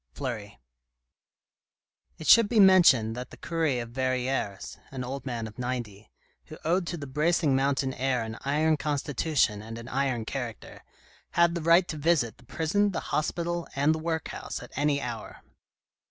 — Fkury It should be mentioned that the cure of Verrieres, an old man of ninety, who owed to the bracing mountain air an iron constitution and an iron character, had the right to visit the prison, the hospital and the workhouse at any hour.